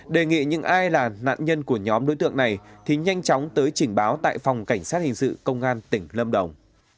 đề nghị những ai là nạn nhân của nhóm đối tượng này thì nhanh chóng tới trình báo tại phòng cảnh sát hình sự công an tỉnh lâm đồng